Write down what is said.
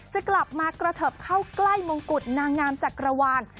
จะกลับมากระเทิบเข้าใกล้มงกุฎนางงามจักรวาล